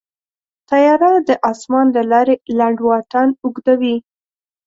طیاره د اسمان له لارې لنډ واټن اوږدوي.